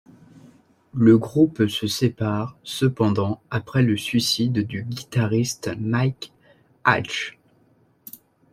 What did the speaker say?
Le groupe se sépare cependant après le suicide du guitariste Mike Hatch.